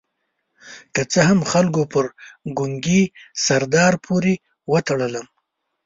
که څه هم خلکو پر ګونګي سردار پورې وتړلم.